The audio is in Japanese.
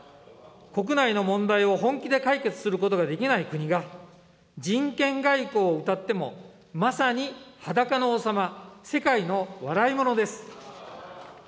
国内の問題を本気で解決することができない国が、人権外交をうたってもまさに裸の王様、世界の笑いものです。